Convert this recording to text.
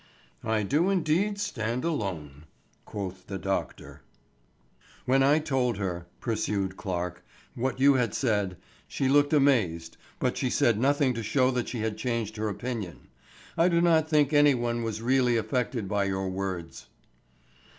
"I do indeed stand alone," quoth the doctor. "When I told her," pursued Clarke, "what you had said, she looked amazed but she said nothing to show that she had changed her opinion. I do not think any one was really affected by your words."